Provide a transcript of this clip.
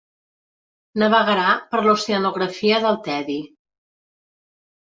Navegarà per l'oceanografia del tedi.